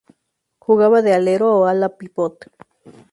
Jugaba de alero o Ala-Pívot.